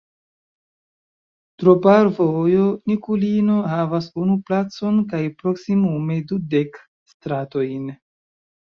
Troparjovo-Nikulino havas unu placon kaj proksimume dudek stratojn.